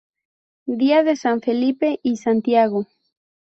Día de San Felipe y Santiago.